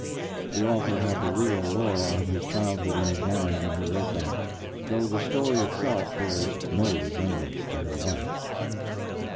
The author had the real Laura of his childhood in his mind when he wrote that, though the story itself bears no resemblance to her life.